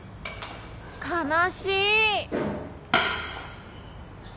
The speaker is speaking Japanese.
・悲しい！